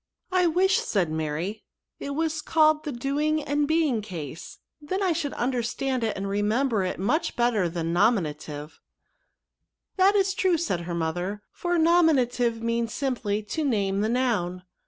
" I wish," said Mary, " it was called the doing and being case, then I should under 144 NOUNS. stand it and remember it much better than nominative/* " That is true/' said her mother; for nominative means simply to name the noun.